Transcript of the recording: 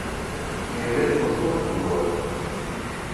Yella iteẓẓu ttjur.